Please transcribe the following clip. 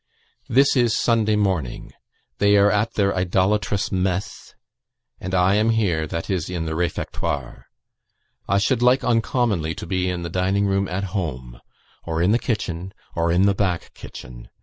"This is Sunday morning. They are at their idolatrous 'messe,' and I am here, that is in the Refectoire. I should like uncommonly to be in the dining room at home, or in the kitchen, or in the back kitchen.